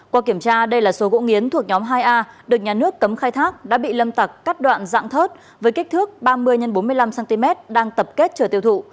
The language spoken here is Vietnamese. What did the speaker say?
qua kiểm tra đây là số gỗ nghiến thuộc nhóm hai a được nhà nước cấm khai thác đã bị lâm tặc cắt đoạn dạng thớt với kích thước ba mươi x bốn mươi năm cm đang tập kết chờ tiêu thụ